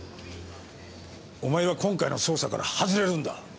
お前は今回の捜査から外れるんだ。